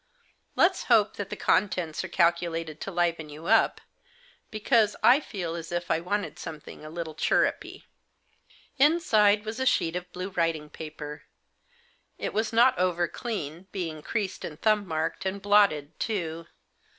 Let's hope that the contents are calculated to liven you up, because I feel as if I wanted something a little chirrupy." Inside was a sheet of blue writing paper. It was not over clean, being creased, and thumb marked, and blotted too.